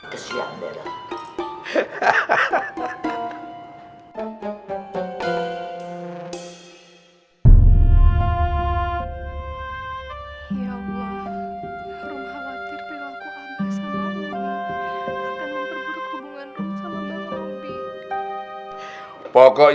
kesian dia dong